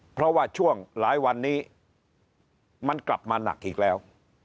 เพราะว่าช่วงหลายวันนี้มันกลับมาหนักอีกแล้ว